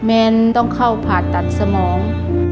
แนนต้องเข้าผ่าตัดสมอง